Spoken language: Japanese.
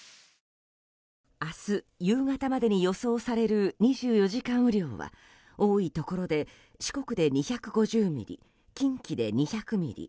明日夕方までに予想される２４時間雨量は多いところで四国で２５０ミリ近畿で２００ミリ